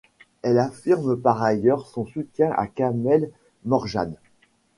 Elle affirme par ailleurs son soutien à Kamel Morjane.